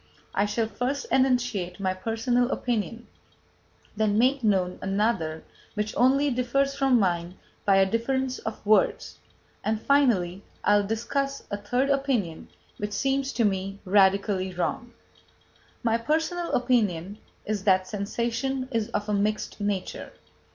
I shall first enunciate my personal opinion, then make known another which only differs from mine by a difference of words, and finally I will discuss a third opinion, which seems to me radically wrong. My personal opinion is that sensation is of a mixed nature.